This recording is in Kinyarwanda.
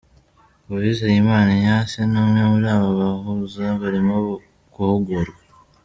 Uwizeyimana Ignace ni umwe muri aba bahuza barimo guhugurwa.